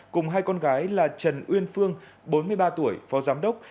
cùng hai con gái là trần uyên phương bốn mươi ba tuổi phó giám đốc